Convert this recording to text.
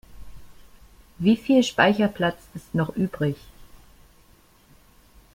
Wie viel Speicherplatz ist noch übrig?